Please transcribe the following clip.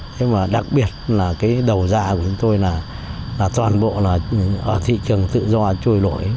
thế mà đặc biệt là cái đầu gia của chúng tôi là toàn bộ là thị trường tự do trôi lỗi